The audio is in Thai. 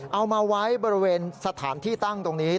เอามาไว้บริเวณสถานที่ตั้งตรงนี้